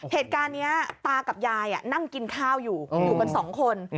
เหตุการณ์นี้ตากับยายนั่งกินข้าวอยู่อยู่กันสองคน